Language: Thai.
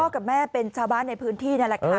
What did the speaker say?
กับแม่เป็นชาวบ้านในพื้นที่นั่นแหละค่ะ